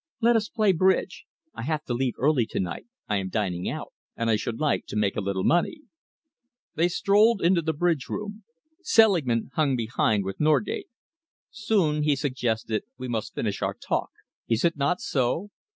Let us play bridge. I have to leave early to night I am dining out and I should like to make a little money." They strolled into the bridge room. Selingman hung behind with Norgate. "Soon," he suggested, "we must finish our talk, is it not so?